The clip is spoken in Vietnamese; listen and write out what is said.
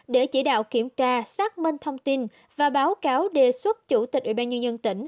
để chỉ đạo kiểm tra xác minh thông tin và báo cáo đề xuất chủ tịch ủy ban nhân dân tỉnh